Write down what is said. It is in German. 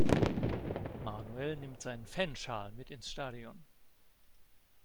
Manuel nimmt seinen Fanschal mit ins Stadion.